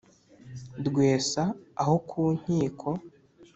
Rwesa aho ku nkiko,